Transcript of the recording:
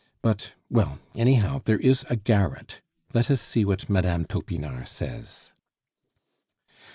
But well, anyhow, there is a garret. Let us see what Mme. Topinard says."